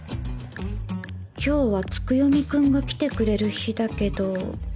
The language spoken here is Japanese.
今日は月読くんが来てくれる日だけど